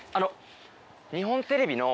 日本テレビの。